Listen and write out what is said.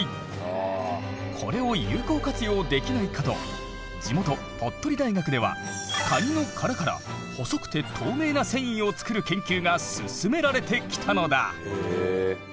これを有効活用できないかと地元鳥取大学ではカニの殻から細くて透明な繊維を作る研究が進められてきたのだ。